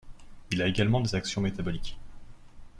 Il a également des actions métaboliques.